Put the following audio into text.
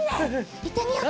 いってみようか。